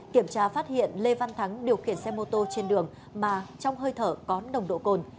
kiểm tra phát hiện lê văn thắng điều khiển xe mô tô trên đường mà trong hơi thở có nồng độ cồn